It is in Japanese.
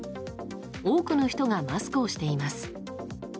多くの人がマスクをしています。